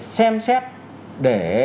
xem xét để